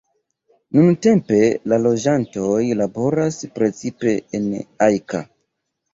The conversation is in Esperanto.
Nuntempe la loĝantoj laboras precipe en Ajka.